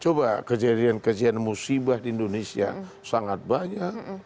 coba kejadian kejadian musibah di indonesia sangat banyak